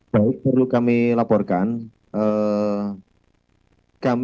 baik perlu kami laporkan